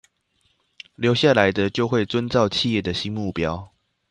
留下來的就會遵照企業的新目標